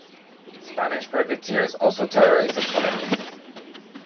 Spanish privateers also terrorized the colonists.